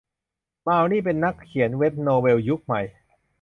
มาวนี่เป็นนักเขียนเว็บโนเวลยุคใหม่